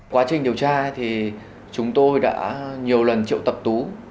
quá trình điều tra thì chúng tôi đã nhiều lần triệu tập tú